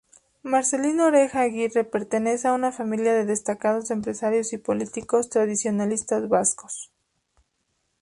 Marcelino Oreja Aguirre pertenece a una familia de destacados empresarios y políticos tradicionalistas vascos.